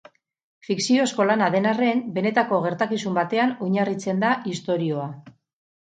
Fikziozko lana den arren, benetako gertakizun batean oinarritzen da istorioa.